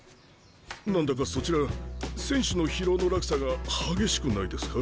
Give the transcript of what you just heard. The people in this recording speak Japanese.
何だかそちら選手の疲労の落差が激しくないですか？